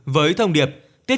với thông điệp